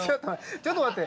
ちょっと待って。